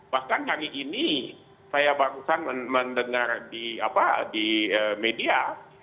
bahkan hari ini saya barusan mendengar di media